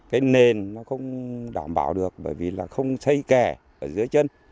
cái nền nó không đảm bảo được bởi vì là không xây kè ở dưới chân